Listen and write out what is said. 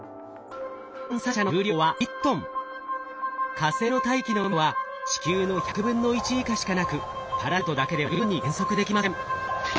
火星の大気の密度は地球の１００分の１以下しかなくパラシュートだけでは十分に減速できません。